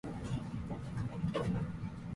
僕の顔の横に君は顔を寄せる